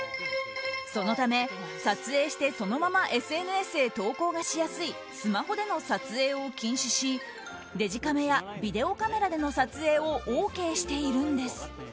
そのため、撮影してそのままＳＮＳへ投稿がしやすいスマホでの撮影を禁止しデジカメやビデオカメラでの撮影をＯＫしているんです。